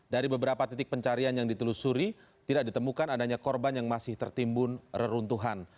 dari beberapa titik pencarian yang ditelusuri tidak ditemukan adanya korban yang masih tertimbun reruntuhan